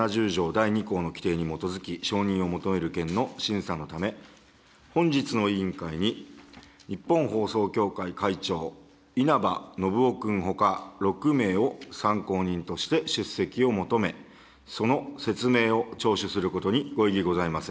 第２項の規定に基づき、承認を求める件の審査のため、本日の委員会に、日本放送協会会長、稲葉延雄君ほか６名を参考人として出席を求め、その説明を聴取することにご異議ございませんか。